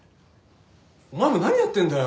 お前も何やってんだよ。